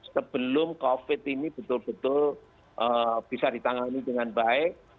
sebelum covid ini betul betul bisa ditangani dengan baik